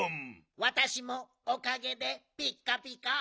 わたしもおかげでピッカピカ。